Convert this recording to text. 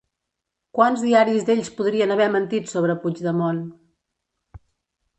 Quants diaris d'ells podrien haver mentit sobre Puigdemont?